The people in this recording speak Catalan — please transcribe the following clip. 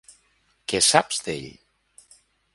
Què saps d'ell?